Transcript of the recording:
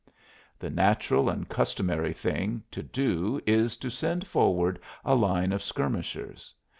The natural and customary thing to do is to send forward a line of skirmishers.